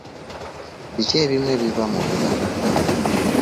Biki ebimu ebiva mu bibira?